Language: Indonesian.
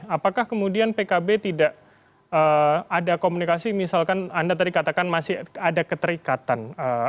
apakah kemudian pkb tidak ada komunikasi misalkan anda tadi katakan masih ada keterikatan